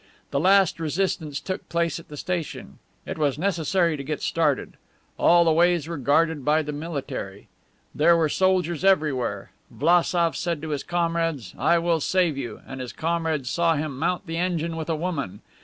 The last resistance took place at the station. It was necessary to get started. All the ways were guarded by the military. There were soldiers everywhere! Vlassof said to his comrades, 'I will save you;' and his comrades saw him mount the engine with a woman.